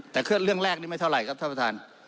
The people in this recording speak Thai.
แต่เรื่องแรกนี่ไม่เท่าไหร่ครับท่านประธาน